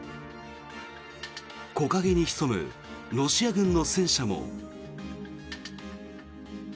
木陰に潜むロシア軍の戦車も。